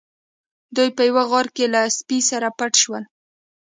دوی په یوه غار کې له سپي سره پټ شول.